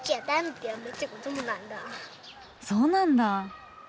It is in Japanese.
そうなんだ。